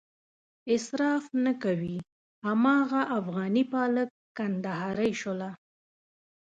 اصراف نه کوي هماغه افغاني پالک، کندهارۍ شوله.